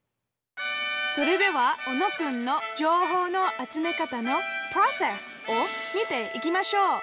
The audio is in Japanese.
それでは小野くんの「情報の集め方のプロセス」を見ていきましょう。